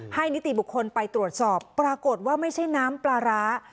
นิติบุคคลไปตรวจสอบปรากฏว่าไม่ใช่น้ำปลาร้า